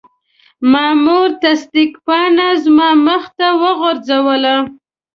مامور تصدیق پاڼه زما مخې ته وغورځوله.